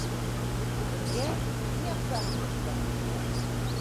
— Йә, ниңә ҡыҙаһың, ҡустым?